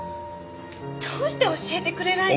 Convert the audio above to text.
どうして教えてくれないの。